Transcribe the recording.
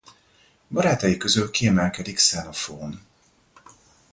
Barátai közül kiemelkedik Xenophón.